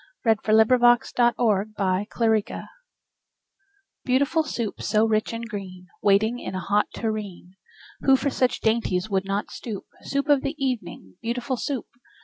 ] Lewis Carroll Beautiful Soup BEAUTIFUL Soup, so rich and green, Waiting in a hot tureen! Who for such dainties would not stoop? Soup of the evening, beautiful Soup!